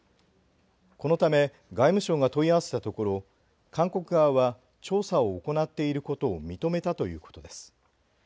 このため、外務省が問い合わせたところ韓国側は調査を行っていることを認めたということです。